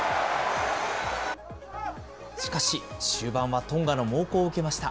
しかし終盤はトンガの猛攻を受けました。